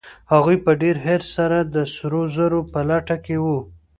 هغوی په ډېر حرص سره د سرو زرو په لټه کې وو.